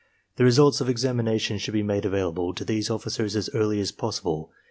The results of examination should be made available to these officers as early as possible.